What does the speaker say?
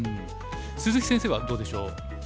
鈴木先生はどうでしょう？